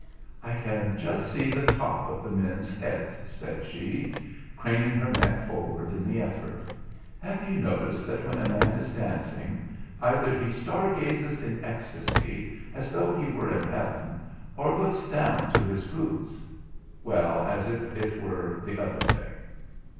'I can just see the top of the men's heads,' said she, craning her neck forward in the effort. 'Have you noticed that when a man is dancing, either he stargazes in ecstasy, as though he were in heaven, or looks down to his boots—well, as if it were the other thing?'